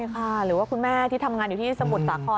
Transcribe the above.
คือว่าคุณแม่ที่ทำงานที่สมุทรสาขอ